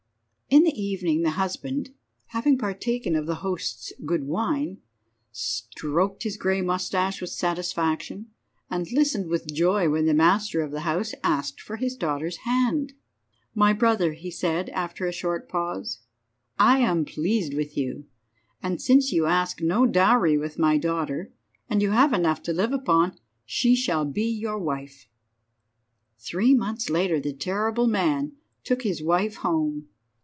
In the evening the husband, having partaken of the host's good wine, stroked his grey moustache with satisfaction, and listened with joy when the master of the house asked for his daughter's hand. "My brother," said he after a short pause, "I am pleased with you, and since you ask no dowry with my daughter, and you have enough to live upon, she shall be your wife." Three months later the terrible man took his wife home.